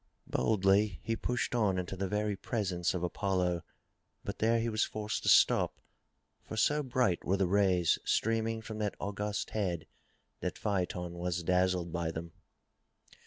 Boldly he pushed on into the very presence of Apollo. But there he was forced to stop, for so bright were the rays streaming from that august head that Phaeton was dazzled by them.